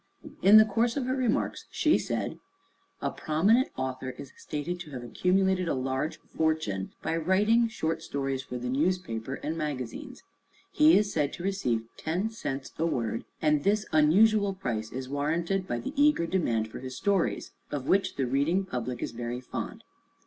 In the course of her remarks she said: "A prominent author is stated to have accumulated a large fortune by writing short stories for the newspapers and magazines. He is said to receive ten cents a word, and this unusual price is warranted by the eager demand for his stories, of which the reading public is very fond.